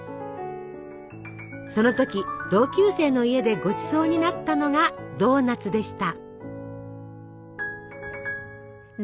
その時同級生の家でごちそうになったのがドーナツでした。